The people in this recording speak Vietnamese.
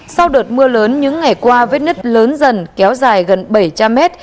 sau đợt mưa lớn những ngày qua vết nứt lớn dần kéo dài gần bảy trăm linh mét